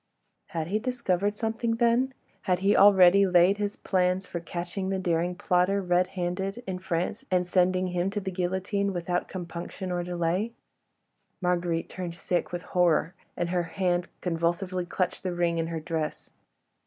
Had he discovered something then? Had he already laid his plans for catching the daring plotter, red handed, in France, and sending him to the guillotine without compunction or delay? Marguerite turned sick with horror, and her hand convulsively clutched the ring in her dress.